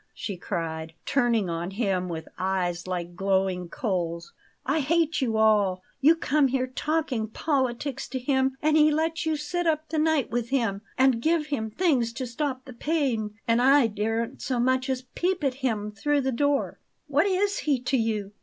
she cried, turning on him with eyes like glowing coals. "I hate you all! You come here talking politics to him; and he lets you sit up the night with him and give him things to stop the pain, and I daren't so much as peep at him through the door! What is he to you?